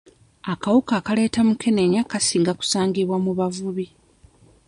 Akawuka akaleeta mukenenya kasinga kusangibwa mu bavubi.